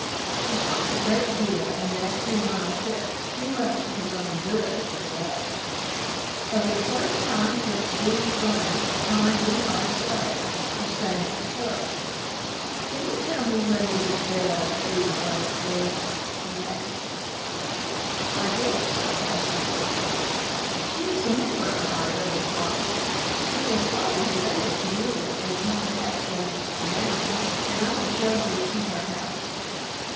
He talked a great deal in that two mile trip; too much for his own good, it developed. For the first time since B climbed into our sleigh, the stranger spoke. "Can you tell me where Mrs. Belle B lives?" he asked. "Why, yes," our passenger replied. "She is a member of our little flock. She is slightly related to me, as you perhaps noticed the name, and I will show you to her house."